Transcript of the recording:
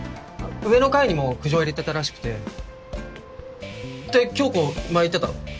上の階にも苦情を入れてたらしくてって響子前言ってたろ？